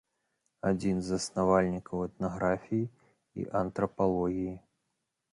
Адзін з заснавальнікаў этнаграфіі і антрапалогіі.